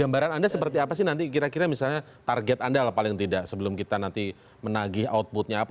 gambaran anda seperti apa sih nanti kira kira misalnya target anda lah paling tidak sebelum kita nanti menagih outputnya apa